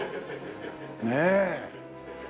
ねえ。